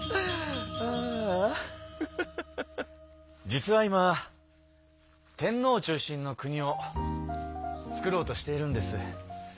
実は今天皇中心の国をつくろうとしているんです。